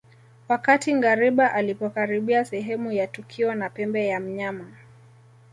Wakati ngariba alipokaribia sehemu ya tukio na pembe ya mnyama